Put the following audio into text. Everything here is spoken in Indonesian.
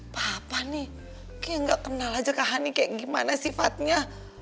papa nih kayak gak kenal aja kak hani kayak gimana sifatnya